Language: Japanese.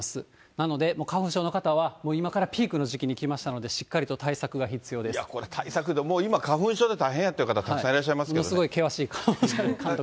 なので、花粉症の方は今からピークの時期にきましたので、しっかりと対策これ、対策、今、花粉症で大変やって方、たくさんいらっしゃいますけれどもね。ものすごい険しい顔をされて、監督。